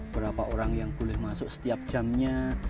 berapa orang yang boleh masuk setiap jamnya